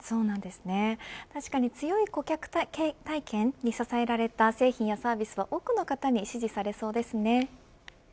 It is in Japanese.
確かに強い顧客体験に支えられた製品やサービスは、多くの方に支持されそうですね。